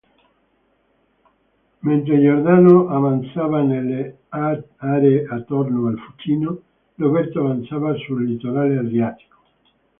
Mentre Giordano avanzava nelle aree attorno al Fucino, Roberto avanzava sul litorale Adriatico.